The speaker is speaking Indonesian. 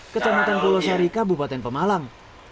kecamatan pulau sari kabupaten pemalang